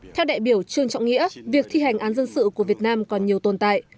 theo đại biểu trương trọng nghĩa việc thi hành án dân sự của việt nam còn nhiều tồn tại